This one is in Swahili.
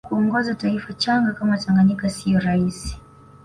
kuongoza taifa changa kama tanganyika siyo rahisi